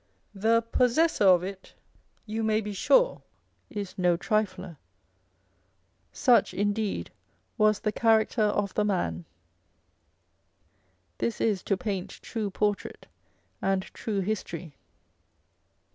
The possessor of it, you may be sure, is no trifler. Such, indeed, was the character of the man. This is to paint true portrait and true history.